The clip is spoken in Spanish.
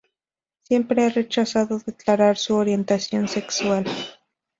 Siempre ha rechazado declarar su orientación sexual.